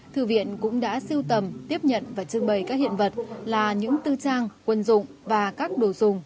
thư viện cũng đã siêu tầm tiếp nhận và trưng bày các hiện vật là những tư trang quân dụng và các đồ dùng